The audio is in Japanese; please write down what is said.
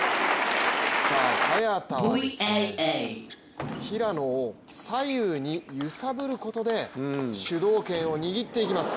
早田は平野を左右に揺さぶることで主導権を握っていきます。